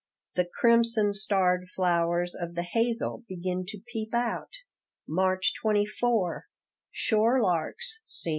"The crimson starred flowers of the hazel begin to peep out." March 24 Shore larks seen.